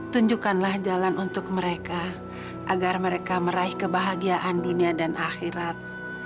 tunjukkanlah jalan untuk mereka agar mereka meraih kebahagiaan dunia dan akhirat